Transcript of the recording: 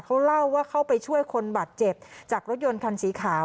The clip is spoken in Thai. เขาเล่าว่าเข้าไปช่วยคนบาดเจ็บจากรถยนต์คันสีขาว